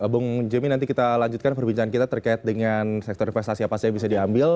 bung jemmy nanti kita lanjutkan perbincangan kita terkait dengan sektor investasi apa saja yang bisa diambil